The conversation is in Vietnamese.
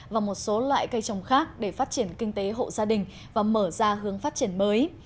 và một số loại cây trồng khác để phát triển kinh tế hộ gia đình và mở ra hướng phát triển mới